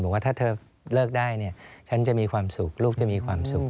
บอกว่าถ้าเธอเลิกได้เนี่ยฉันจะมีความสุขลูกจะมีความสุข